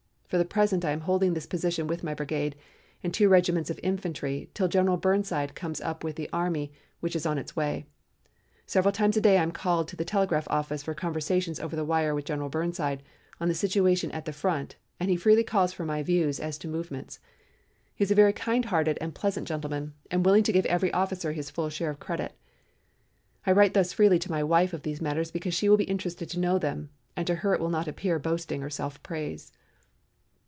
For the present I am holding this position with my brigade and two regiments of infantry till General Burnside comes up with the army which is on the way. Several times a day I am called to the telegraph office for conversations over the wires with General Burnside on the situation at the front and he freely calls for my views as to movements. He is a very kind hearted and pleasant gentleman, and willing to give every officer his full share of credit. I write thus freely to my wife of these matters because she will be interested to know them and to her it will not appear boasting or self praise.